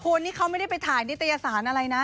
คุณนี่เขาไม่ได้ไปถ่ายนิตยสารอะไรนะ